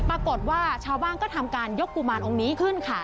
ปรากฏว่าชาวบ้านก็ทำการยกกุมารองค์นี้ขึ้นค่ะ